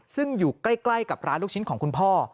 ซึ่งอยู่ใกล้กับร้านลูกชิ้นของคุณพ่อ